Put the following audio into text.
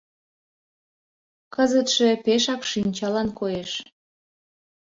Кызытше пешак шинчалан коеш...